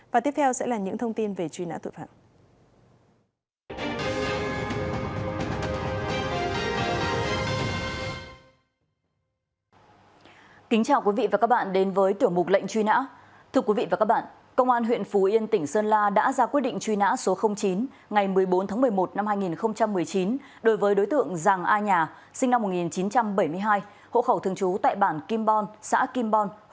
và tiếp theo sẽ là những thông tin về truy nã tội phạm